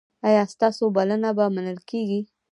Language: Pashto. ایا ستاسو بلنه به منل کیږي؟